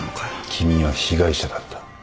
君は被害者だった。